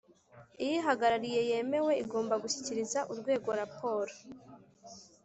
iyihagarariye yemewe igomba gushyikiriza urwego raporo